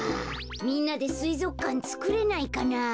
みんなですいぞくかんつくれないかな。